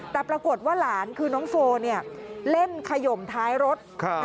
แต่ปรากฏว่าหลานคือน้องโฟเล่นขยมท้ายรถ